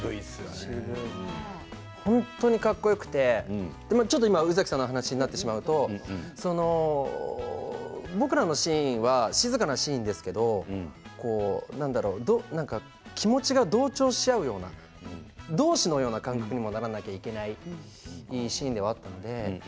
本当にかっこよくて今宇崎さんの話になってしまうと僕らのシーンは静かなシーンですけど気持ちが同調し合うような同志のような感覚にもならないといけないいいシーンではあったので。